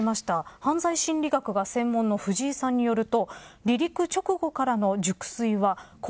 犯罪心理学が専門の藤井さんによると。